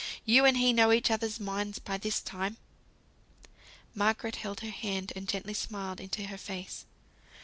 You and he know each other's minds by this time!" Margaret held her hand, and gently smiled into her face.